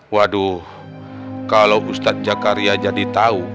waduh kalau ustadz jakaria jadi tahu